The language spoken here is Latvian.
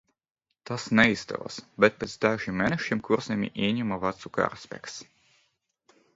Tas neizdevās, bet pēc dažiem mēnešiem Kurzemi ieņēma vācu karaspēks.